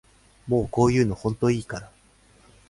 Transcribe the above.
もうこういうのほんといいから